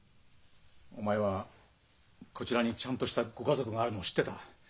お前はこちらにちゃんとしたご家族があるのを知ってた。